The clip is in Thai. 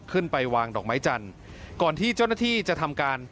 ขึ้นไปวางดอกไม้จันทร์ก่อนที่เจ้าหน้าที่จะทำการ